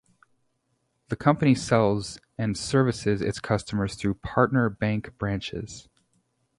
The company sells and services its customers through partner bank branches.